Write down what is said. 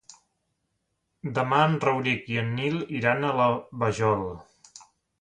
Demà en Rauric i en Nil iran a la Vajol.